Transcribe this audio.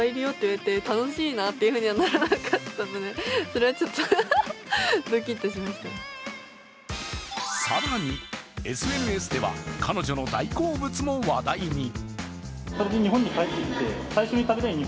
その一方で更に、ＳＮＳでは彼女の大好物も話題に。